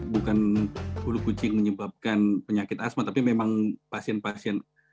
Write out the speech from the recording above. bukan bulu kucing menyebabkan penyakit asma tapi memang pasien pasien